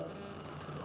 lalu saya jawab siap